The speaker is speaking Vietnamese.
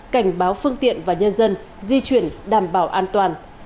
cảnh báo phương tiện và nhân dân di chuyển đảm bảo an toàn